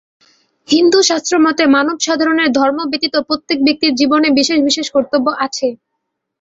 হিন্দুশাস্ত্রমতে মানব-সাধারণের ধর্ম ব্যতীত প্রত্যেক ব্যক্তির জীবনে বিশেষ বিশেষ কর্তব্য আছে।